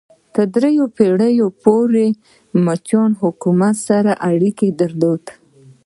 تر دریو پیړیو پورې د منچو حکومت سره اړیکې درلودې.